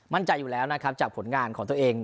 มั่นใจอยู่แล้วนะครับจากผลงานของตัวเอง